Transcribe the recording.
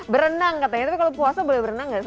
berenang katanya tapi kalau puasa boleh berenang gak sih